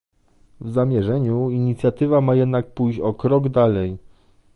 W zamierzeniu inicjatywa ma jednak pójść o krok dalej